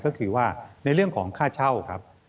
ก็คือว่าในเรื่องของค่าเช่าครับ